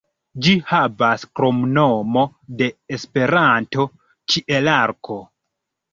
Ĝi havas kromnomo de Esperanto "Ĉielarko".